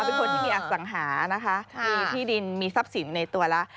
เป็นคนที่มีอสังหานะคะมีที่ดินมีทรัพย์สินในตัวแล้ว